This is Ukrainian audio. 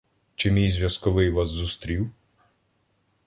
Чи мій зв'язковий вас зустрів?